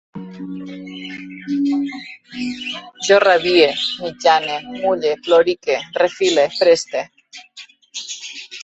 Jo rabie, mitjane, mulle, plorique, refile, preste